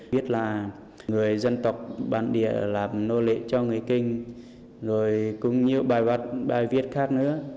viết là người dân tộc bản địa làm nô lệ cho người kinh rồi cũng như bài viết khác nữa